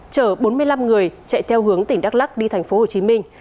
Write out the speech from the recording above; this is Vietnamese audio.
chở bốn mươi năm người chạy theo hướng tỉnh đắk lắc đi thành phố hồ chí minh